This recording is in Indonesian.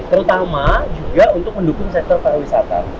terutama juga untuk mendukung sektor para wisata